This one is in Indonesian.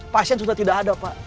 pasien sudah tidak ada pak